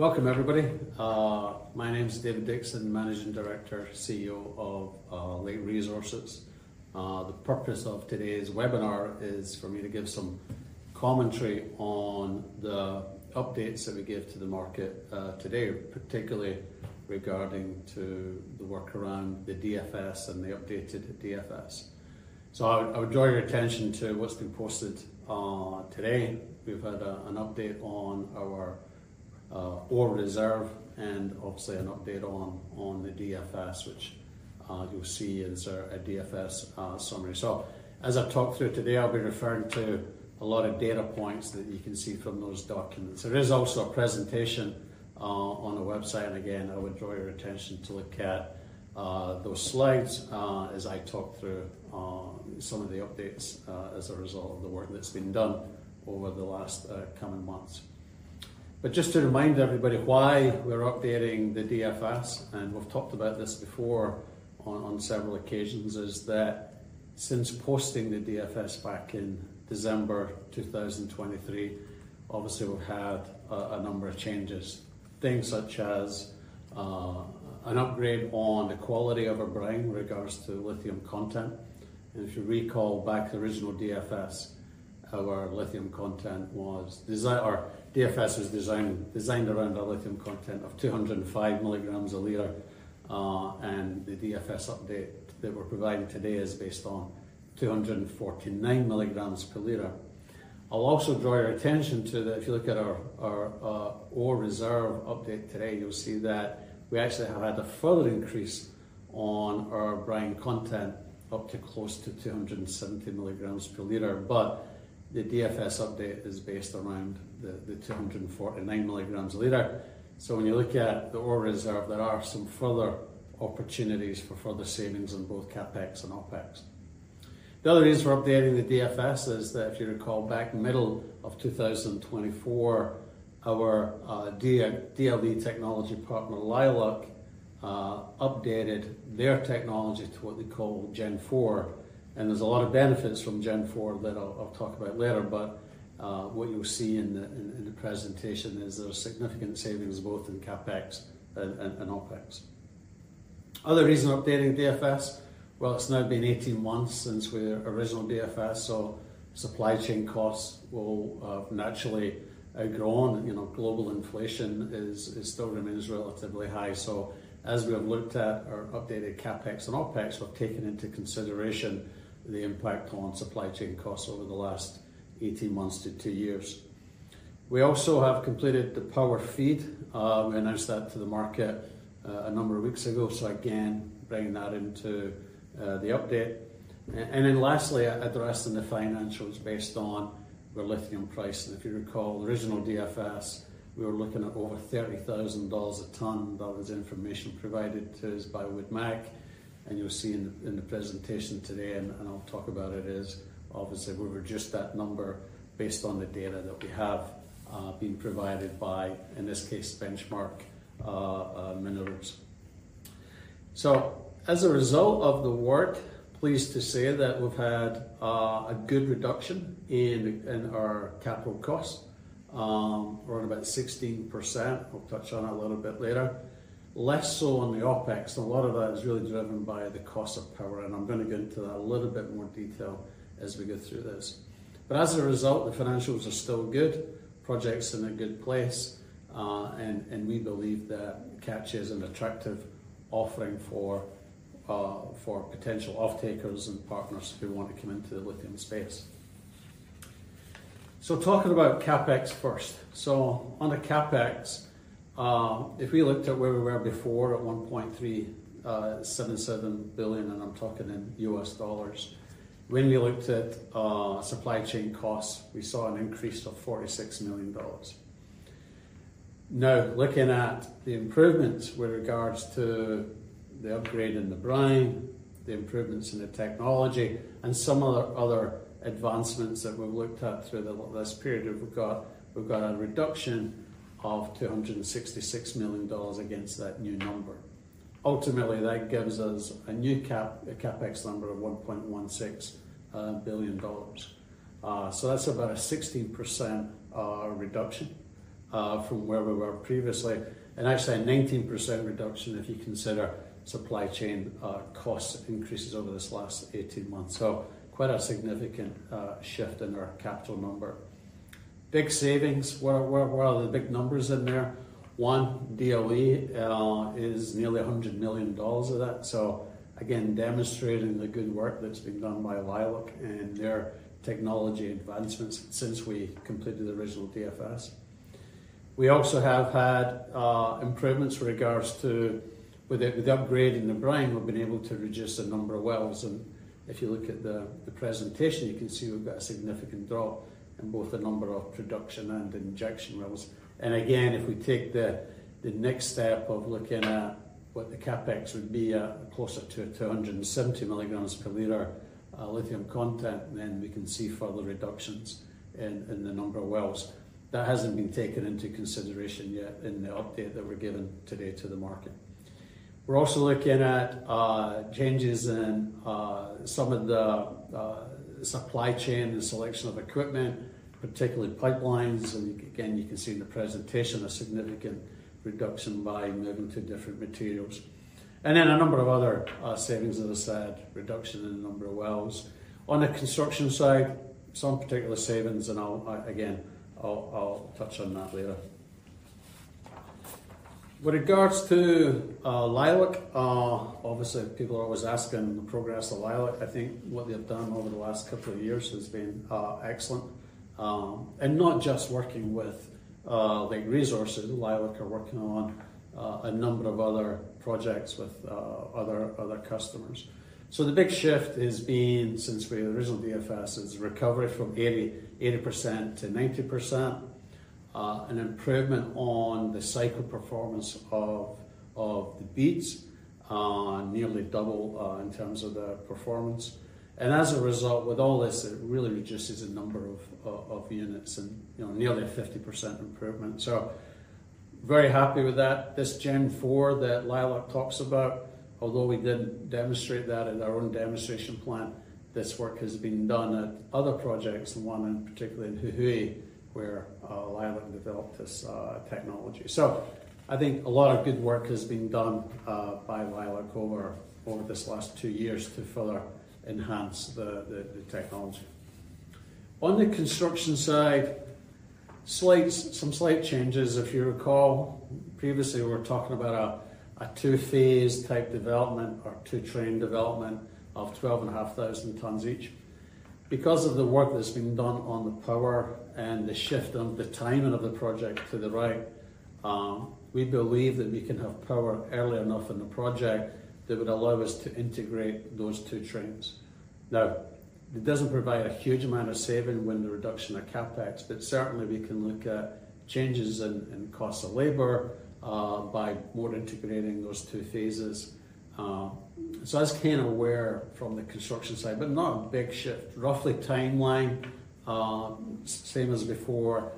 Welcome, everybody. My name is David Dickson, Managing Director, CEO of Lake Resources. The purpose of today's webinar is for me to give some commentary on the updates that we gave to the market today, particularly regarding the work around the DFS and the updated DFS. I would draw your attention to what's been posted today. We've had an update on our ore reserve and obviously an update on the DFS, which you'll see in a sort of DFS summary. As I've talked through today, I'll be referring to a lot of data points that you can see from those documents. There is also a presentation on the website, and again, I would draw your attention to look at those slides as I talk through some of the updates as a result of the work that's been done over the last coming months. Just to remind everybody why we're updating the DFS, and we've talked about this before on several occasions, is that since posting the DFS back in December 2023, we've had a number of changes. Things such as an upgrade on the quality of our brine in regards to lithium content. If you recall back to the original DFS, our lithium content was, our DFS was designed around our lithium content of 205 mg per liter. The DFS update that we're providing today is based on 249 mg per liter. I'll also draw your attention to that if you look at our reserve update today, you'll see that we actually have had a further increase on our brine content up to close to 270 mg per liter, but the DFS update is based around the 249 mg per liter. When you look at the reserve, there are some further opportunities for further savings on both CapEx and OpEx. The other reason for updating the DFS is that if you recall back in the middle of 2024, our DLE technology partner Lilac updated their technology to what they call Gen 4. There are a lot of benefits from Gen 4 that I'll talk about later, but what you'll see in the presentation is there are significant savings both in CapEx and OpEx. Other reasons for updating the DFS, it's now been 18 months since the original DFS, so supply chain costs will have naturally grown. Global inflation still remains relatively high. As we have looked at our updated CapEx and OpEx, we've taken into consideration the impact on supply chain costs over the last 18 months to two years. We also have completed the power feed. We announced that to the market a number of weeks ago. Again, bringing that into the update. Lastly, addressing the financials based on the lithium price. If you recall the original DFS, we were looking at over $30,000 a ton. That was the information provided to us by WoodMac. You'll see in the presentation today, and I'll talk about it, we adjusted that number based on the data that we have, being provided by, in this case, Benchmark Minerals. As a result of the work, pleased to say that we've had a good reduction in our capital costs, around about 16%. I'll touch on that a little bit later. Less so on the OpEx. A lot of that is really driven by the cost of power, and I'm going to get into that in a little bit more detail as we go through this. As a result, the financials are still good. Projects are in a good place, and we believe that Kachi is an attractive offering for potential off-takers and partners who want to come into the lithium space. Talking about CapEx first. Under CapEx, if we looked at where we were before at $1.377 billion, and I'm talking in U.S. dollars, when we looked at supply chain costs, we saw an increase of $46 million. Now, looking at the improvements with regards to the upgrade in the brine, the improvements in the technology, and some of the other advancements that we've looked at through this period, we've got a reduction of $266 million against that new number. Ultimately, that gives us a new CapEx number of $1.16 billion. That's about a 16% reduction from where we were previously, and actually, a 19% reduction if you consider supply chain cost increases over this last 18 months. Quite a significant shift in our capital number. Big savings, the big numbers in there. One, DLE, is nearly $100 million of that. Again, demonstrating the good work that's been done by Lilac and their technology advancements since we completed the original DFS. We also have had improvements with regards to, with the upgrade in the brine, we've been able to reduce the number of wells. If you look at the presentation, you can see we've got a significant drop in both the number of production and injection wells. If we take the next step of looking at what the CapEx would be at closer to 270 mg per liter lithium content, then we can see further reductions in the number of wells. That hasn't been taken into consideration yet in the update that we're giving today to the market. We're also looking at changes in some of the supply chain and selection of equipment, particularly pipelines. You can see in the presentation a significant reduction by moving to different materials. There are a number of other savings, as I said, reduction in the number of wells. On the construction side, some particular savings, and I'll touch on that later. With regards to Lilac, obviously, people are always asking the progress of Lilac. I think what they've done over the last couple of years has been excellent, and not just working with Lake Resources. Lilac are working on a number of other projects with other customers. The big shift has been, since we had the original DFS, is recovery from 80% - 90%, an improvement on the cycle performance of the beads, nearly double in terms of the performance. As a result, with all this, it really reduces the number of units and, you know, nearly a 50% improvement. Very happy with that. This Gen 4 platform that Lilac talks about, although we didn't demonstrate that at our own demonstration plant, this work has been done at other projects, one in particular in Jujuy, where Lilac developed this technology. I think a lot of good work has been done by Lilac over this last two years to further enhance the technology. On the construction side, some slight changes, if you recall, previously we were talking about a two-phase type development or two-train development of 12,500 tons each. Because of the work that's been done on the power and the shift of the timing of the project to the right, we believe that we can have power early enough in the project that would allow us to integrate those two trains. It doesn't provide a huge amount of saving with the reduction of CapEx, but certainly we can look at changes in cost of labor by more integrating those two phases. As Ken is aware from the construction side, not a big shift, roughly timeline, same as before,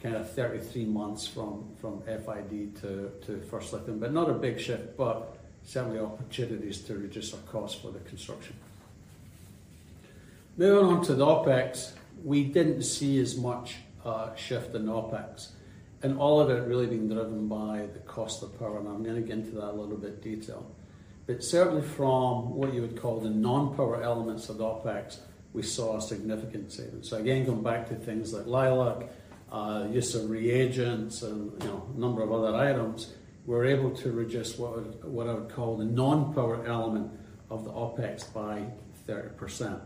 kind of 33 months from final investment decision to first lifting, but not a big shift, but certainly opportunities to reduce our costs for the construction. Moving on to the OpEx, we didn't see as much shift in OpEx. All of it really being driven by the cost of power, and I'm going to get into that a little bit in detail. Certainly from what you would call the non-power elements of the OpEx, we saw a significant savings. Again, going back to things like Lilac, use of reagents, and a number of other items, we're able to reduce what I would call the non-power element of the OpEx by 30%.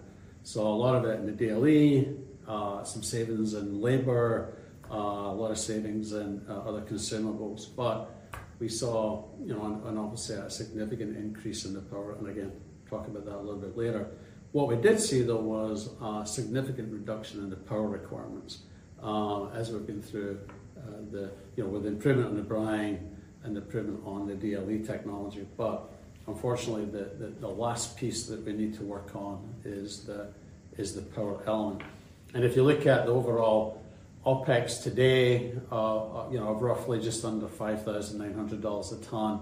A lot of it in the DLE, some savings in labor, a lot of savings in other consumables, but we saw a significant increase in the power, and I'll talk about that a little bit later. What we did see, though, was a significant reduction in the power requirements, as we've been through, with the improvement on the brine and the improvement on the DLE technology, but unfortunately, the last piece that we need to work on is the power element. If you look at the overall OpEx today, of roughly just under $5,900 a ton,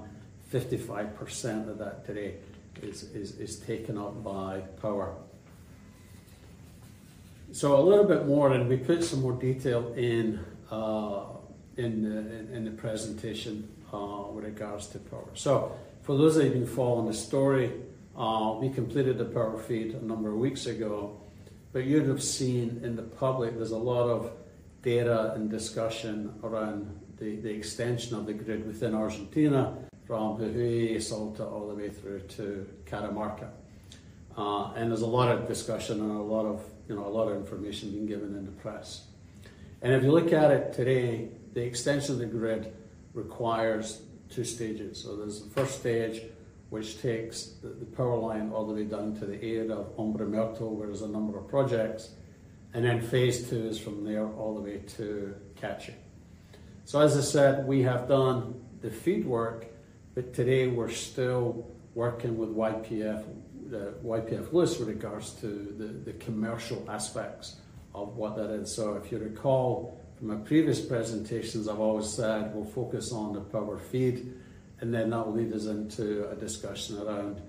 55% of that today is taken up by power. A little bit more, and we put some more detail in the presentation with regards to power. For those of you who didn't follow the story, we completed the power feed a number of weeks ago, but you'd have seen in the public, there's a lot of data and discussion around the extension of the grid within Argentina from Jujuy, Salta, all the way through to Catamarca. There's a lot of discussion and a lot of information being given in the press. If you look at it today, the extension of the grid requires two stages. There's the first stage, which takes the power line all the way down to the edge of Hombre Muerto, where there's a number of projects, and then phase two is from there all the way to Catamarca. As I said, we have done the feed work, but today we're still working with YPF Luz with regards to the commercial aspects of what that is. If you recall from my previous presentations, I've always said we'll focus on the power feed, and then that will lead us into a discussion around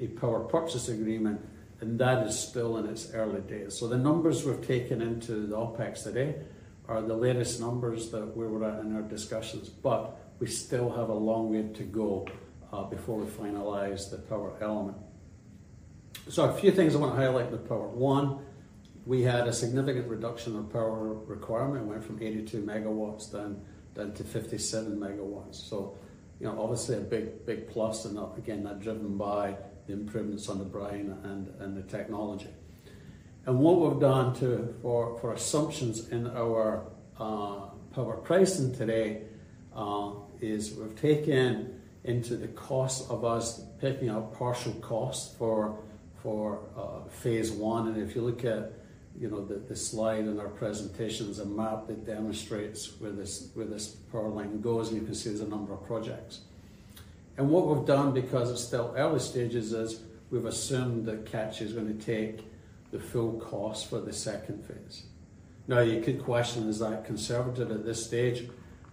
a power purchase agreement, and that is still in its early days. The numbers we've taken into the OpEx today are the latest numbers that we were in our discussions, but we still have a long way to go before we finalize the power element. A few things I want to highlight in the power. One, we had a significant reduction of power requirement. It went from 82 MW - 57 MW. Obviously a big, big plus, and again, that's driven by the improvements on the brine and the technology. What we've done too for assumptions in our power pricing today is we've taken into the cost of us picking up partial costs for phase one. If you look at the slide in our presentations, there's a map that demonstrates where this power line goes, and you can see there's a number of projects. What we've done, because it's still early stages, is we've assumed that Kachi is going to take the full cost for the second phase. Now, you could question, is that conservative at this stage?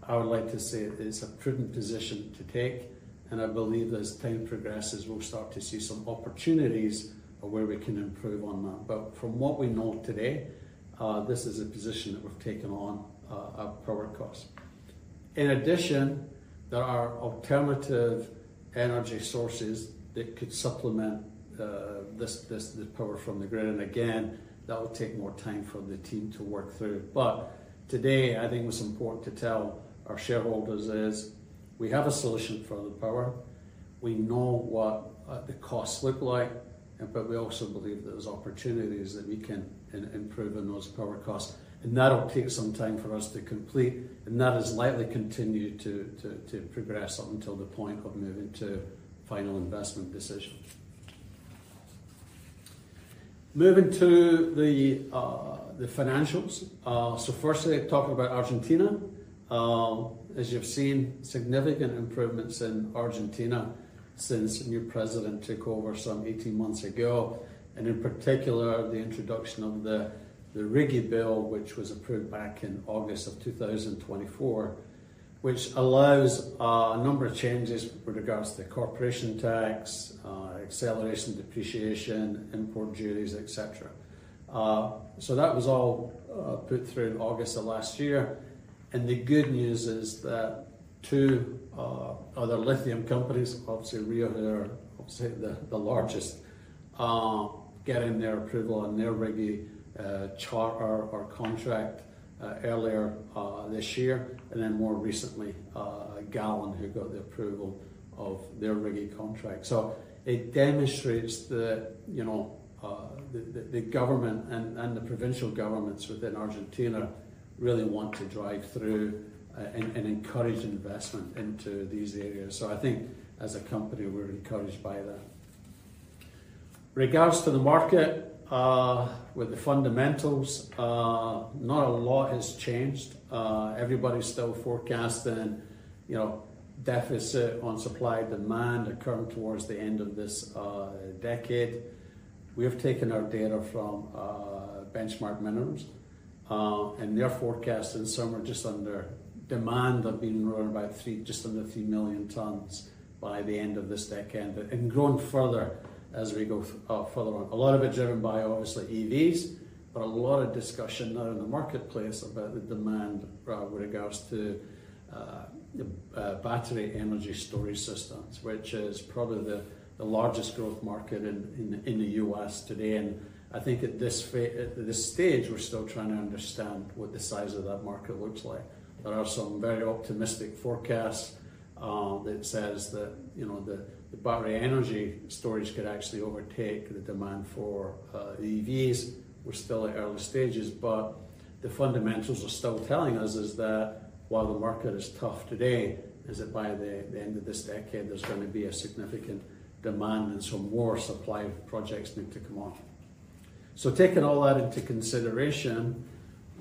I would like to say it's a prudent position to take, and I believe as time progresses, we'll start to see some opportunities of where we can improve on that. From what we know today, this is a position that we've taken on power cost. In addition, there are alternative energy sources that could supplement this power from the grid. Again, that will take more time from the team to work through. Today, I think it's important to tell our shareholders we have a solution for the power. We know what the costs look like, but we also believe there's opportunities that we can improve on those power costs. That'll take some time for us to complete, and that is likely to continue to progress up until the point of moving to final investment decision. Moving to the financials. Firstly, talking about Argentina. As you've seen, significant improvements in Argentina since the new president took over some 18 months ago. In particular, the introduction of the RIGI bill, which was approved back in August 2024, allows a number of changes with regards to corporation tax, acceleration, depreciation, import duties, etc. That was all put through in August of last year. The good news is that two other lithium companies, obviously Rio Tinto, obviously the largest, getting their approval on their RIGI charter or contract earlier this year. More recently, Allkem, who got the approval of their RIGI contract. It demonstrates that the government and the provincial governments within Argentina really want to drive through and encourage investment into these areas. I think as a company, we're encouraged by that. Regards to the market, with the fundamentals, not a lot has changed. Everybody's still forecasting a deficit on supply-demand occurring towards the end of this decade. We have taken our data from Benchmark Minerals, and they're forecasting some are just under demand of being around about three, just under three million tons by the end of this decade. Going further, as we go further on, a lot of it driven by obviously EVs, but a lot of discussion now in the marketplace about the demand with regards to the battery energy storage systems, which is probably the largest growth market in the U.S. today. I think at this stage, we're still trying to understand what the size of that market looks like. There are some very optimistic forecasts that say that, you know, the battery energy storage could actually overtake the demand for EVs. We're still at early stages, but the fundamentals are still telling us is that while the market is tough today, by the end of this decade, there's going to be a significant demand and some more supply projects need to come on. Taking all that into consideration,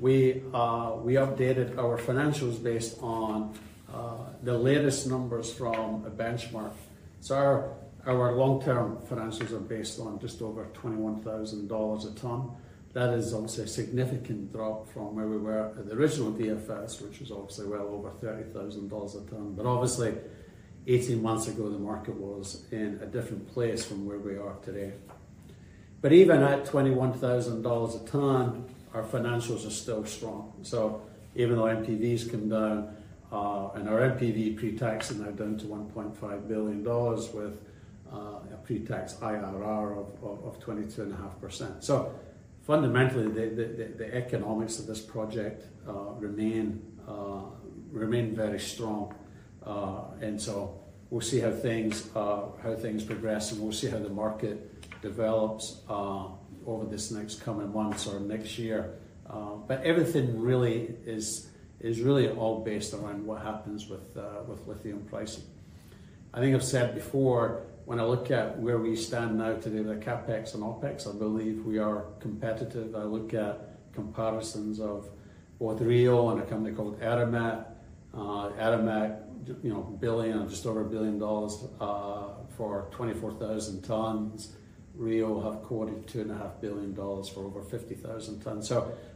we updated our financials based on the latest numbers from Benchmark. Our long-term financials are based on just over $21,000 a ton. That is obviously a significant drop from where we were at the original DFS, which is obviously well over $30,000 a ton. Obviously, 18 months ago, the market was in a different place from where we are today. Even at $21,000 a ton, our financials are still strong. Even though NPV's come down, and our NPV pre-taxing now down to $1.5 billion with a pre-tax IRR of 22.5%. Fundamentally, the economics of this project remain very strong. We'll see how things progress, and we'll see how the market develops over this next coming month or next year. Everything really is really all based around what happens with lithium pricing. I think I've said before, when I look at where we stand now today with the CapEx and OpEx, I believe we are competitive. I look at comparisons of both Rio Tinto and a company called Allkem. Allkem, you know, a billion, just over a billion dollars, for 24,000 tons. Rio Tinto have quoted $2.5 billion for over 50,000 tons.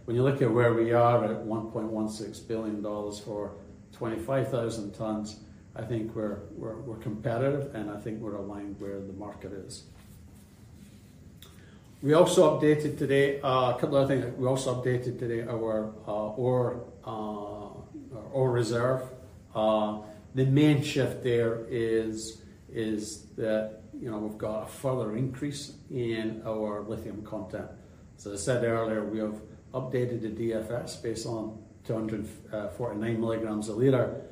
When you look at where we are at $1.16 billion for 25,000 tons, I think we're competitive, and I think we're aligned where the market is. We also updated today a couple of other things. We also updated today our overall reserve. The main shift there is that, you know, we've got a further increase in our lithium content. As I said earlier, we have updated the DFS based on 249 mg a liter,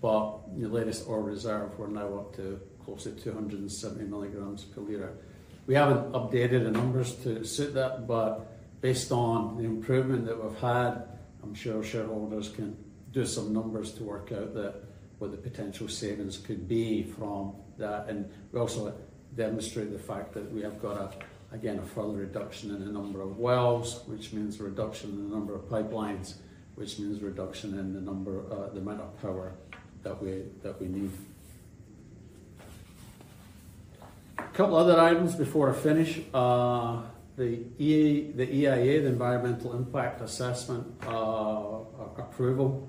but the latest ore reserve, we're now up to close to 270 mg per liter. We haven't updated the numbers to suit that, but based on the improvement that we've had, I'm sure shareholders can do some numbers to work out what the potential savings could be from that. We also demonstrate the fact that we have got, again, a further reduction in the number of wells, which means a reduction in the number of pipelines, which means a reduction in the amount of power that we need. A couple of other items before I finish. The Environmental Impact Assessment approval,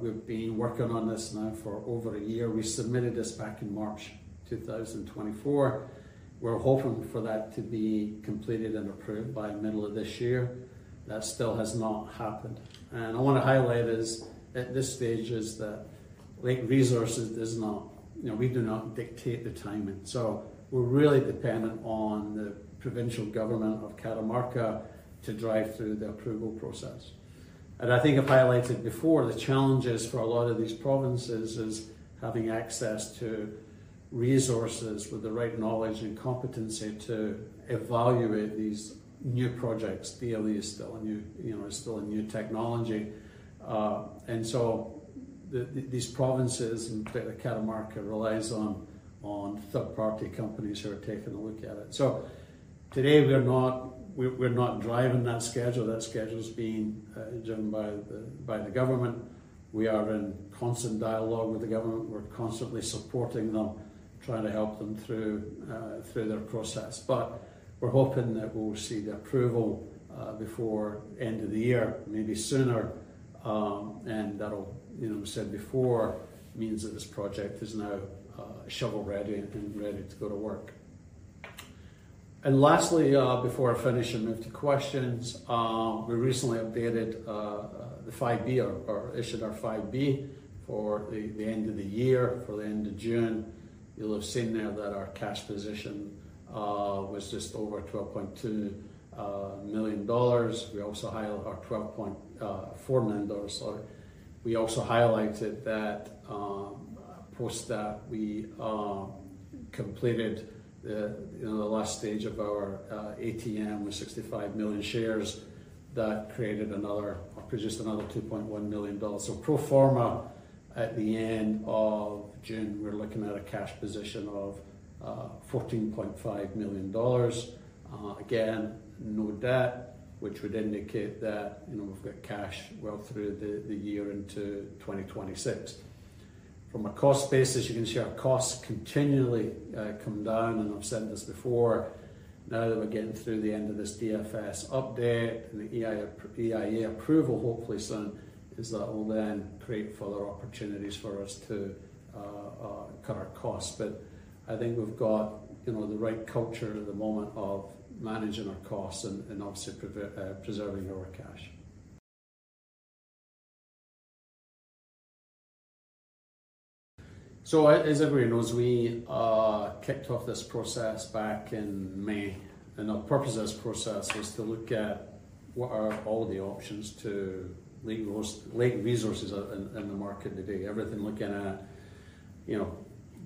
we've been working on this now for over a year. We submitted this back in March 2024. We're hoping for that to be completed and approved by the middle of this year. That still has not happened. I want to highlight at this stage that Lake Resources does not, you know, we do not dictate the timing. We're really dependent on the provincial government of Catamarca to drive through the approval process. I think I've highlighted before the challenges for a lot of these provinces is having access to resources with the right knowledge and competency to evaluate these new projects. DLE extraction is still a new, you know, it's still a new technology, and so these provinces, and clearly Catamarca, relies on third-party companies who are taking a look at it. Today we're not driving that schedule. That schedule is being driven by the government. We are in constant dialogue with the government. We're constantly supporting them, trying to help them through their process. We're hoping that we'll see the approval before the end of the year, maybe sooner, and that'll, you know, we said before, means that this project is now shovel-ready, ready to go to work. Lastly, before I finish and move to questions, we recently updated the 5B, or issued our 5B for the end of the year, for the end of June. You'll have seen there that our cash position was just over $12.2 million. We also highlighted our $12.4 million. We also highlighted that, post that, we completed the last stage of our ATM with 65 million shares that created another, produced another $2.1 million. Pro forma at the end of June, we're looking at a cash position of $14.5 million. Again, no debt, which would indicate that, you know, we've got cash well through the year into 2026. From a cost basis, you can see our costs continually come down, and I've said this before. Now that we're getting through the end of this Definitive Feasibility Study update, the Environmental Impact Assessment approval hopefully soon, that will then create further opportunities for us to cut our costs. I think we've got the right culture at the moment of managing our costs and obviously preserving our cash. As everybody knows, we kicked off this process back in May, and our purpose of this process was to look at what are all the options to link Lake Resources in the market today. Everything looking at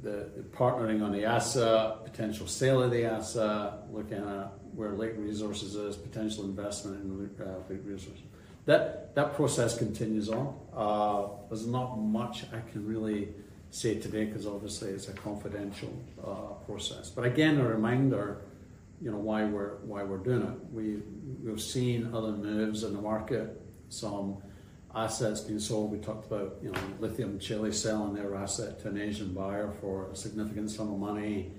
the partnering on the asset, potential sale of the asset, looking at where Lake Resources is, potential investment in Lake Resources. That process continues on. There's not much I can really say today because obviously it's a confidential process. Again, a reminder, why we're doing it. We've seen other moves in the market, some assets being sold. We talked about Lithium Chile selling their asset to an Asian buyer for a significant sum of money.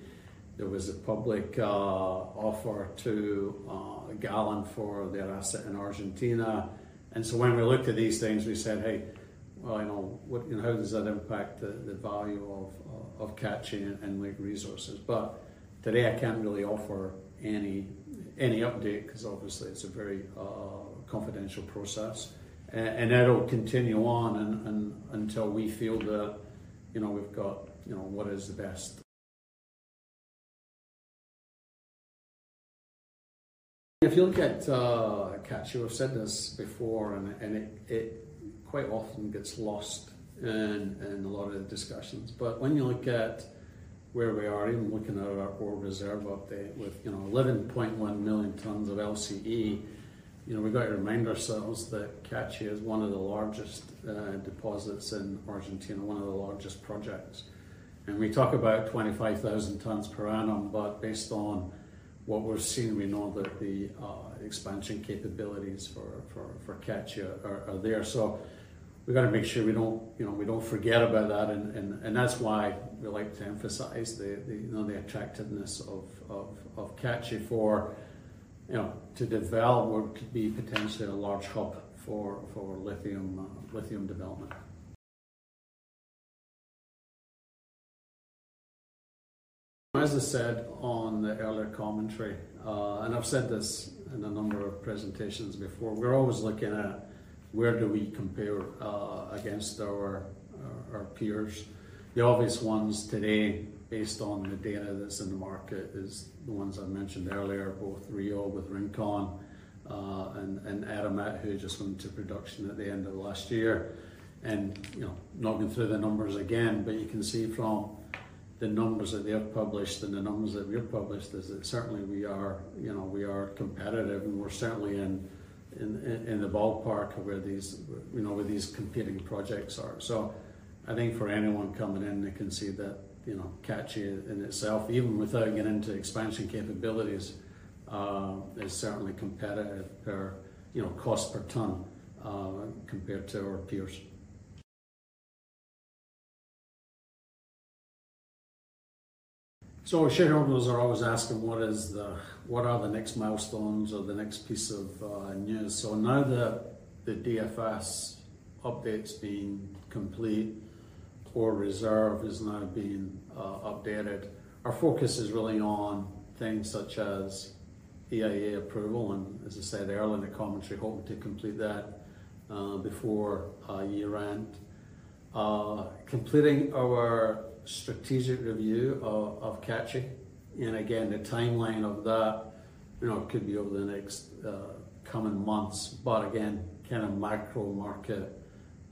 There was a public offer to Ganfeng for their asset in Argentina. When we looked at these things, we said, hey, what, you know, how does that impact the value of Kachi and Lake Resources? Today I can't really offer any update because obviously it's a very confidential process. It'll continue on until we feel that we've got what is the best. If you look at Kachi, we've said this before, and it quite often gets lost in a lot of the discussions. When you look at where we are, even looking at our ore reserve update with 11.1 million tons of LCE, we've got to remind ourselves that Kachi is one of the largest deposits in Argentina, one of the largest projects. We talk about 25,000 tons per annum, but based on what we're seeing, we know that the expansion capabilities for Kachi are there. We've got to make sure we don't forget about that. That's why we like to emphasize the attractiveness of Kachi to develop or to be potentially a large hub for lithium development. As I said on the earlier commentary, and I've said this in a number of presentations before, we're always looking at where do we compare against our peers. The obvious ones today, based on the data that's in the market, are the ones I mentioned earlier, both Rio Tinto with Rincon and Allkem, who just went into production at the end of last year. You know, I'm not going to say the numbers again, but you can see from the numbers that they've published and the numbers that we've published that certainly we are competitive and we're certainly in the ballpark of where these competing projects are. I think for anyone coming in, they can see that Kachi in itself, even without getting into expansion capabilities, is certainly competitive per cost per ton, compared to our peers. Shareholders are always asking, what are the next milestones or the next piece of news? Now that the Definitive Feasibility Study update's been complete, our reserve has now been updated, our focus is really on things such as Environmental Impact Assessment approval. As I said earlier in the commentary, hoping to complete that before our year-end, completing our strategic review of Kachi. The timeline of that could be over the next coming months. Again, kind of micro-market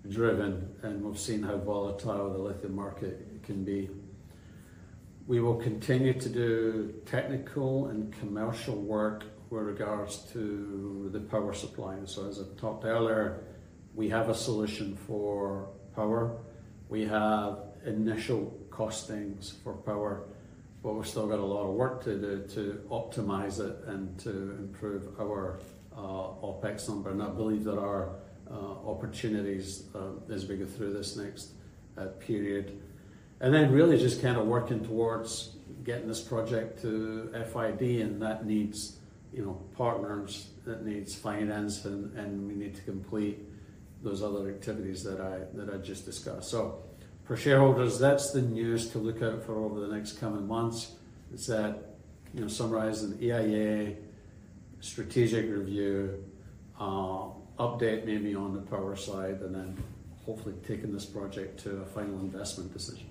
driven, and we've seen how volatile the lithium market can be. We will continue to do technical and commercial work with regards to the power supply. As I've talked earlier, we have a solution for power. We have initial costings for power, but we've still got a lot of work to do to optimize it and to improve our OpEx number. I believe there are opportunities as we go through this next period. Really just kind of working towards getting this project to final investment decision, and that needs partners, that needs finance, and we need to complete those other activities that I just discussed. For shareholders, that's the news to look out for over the next coming months. It's that, summarizing the Environmental Impact Assessment, strategic review, update maybe on the power side, and then hopefully taking this project to a final investment decision.